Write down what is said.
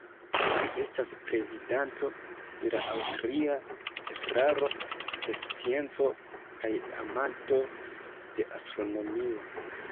Li estas prezidanto de la Aŭstria Estraro de Scienco kaj amanto de astronomio.